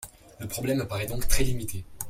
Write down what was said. Le problème me paraît donc très limité.